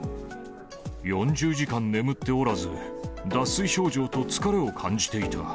４０時間眠っておらず、脱水症状と疲れを感じていた。